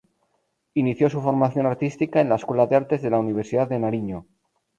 Inició su formación artística en la Escuela de Artes de la Universidad de Nariño.